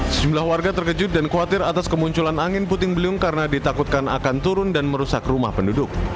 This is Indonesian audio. sejumlah warga terkejut dan khawatir atas kemunculan angin puting beliung karena ditakutkan akan turun dan merusak rumah penduduk